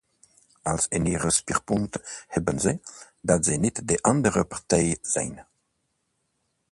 Als enige speerpunt hebben ze, dat ze niet de andere partij zijn.